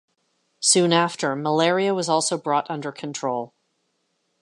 Soon after, malaria was also brought under control.